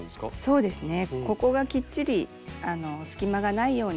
そうですね。